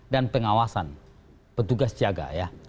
dan pengawasan petugas jaga ya